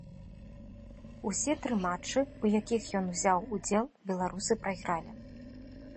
Усе тры матчы, у якіх ён узяў удзел, беларусы прайгралі.